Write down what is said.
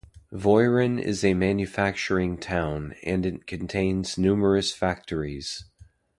Voiron is a manufacturing town, and it contains numerous factories.